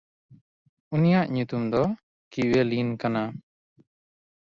ᱩᱱᱤᱭᱟᱜ ᱧᱩᱛᱩᱢ ᱫᱚ ᱠᱤᱣᱮᱞᱤᱱ ᱠᱟᱱᱟ᱾